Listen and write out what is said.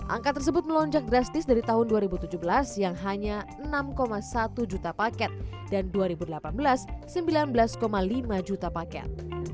angka tersebut melonjak drastis dari tahun dua ribu tujuh belas yang hanya enam satu juta paket dan dua ribu delapan belas sembilan belas lima juta paket